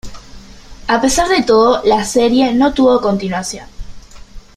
A pesar de todo, la serie no tuvo continuación.